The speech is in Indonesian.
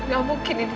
gak mungkin ini papa